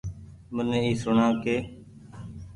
مني اي سوڻآ ڪي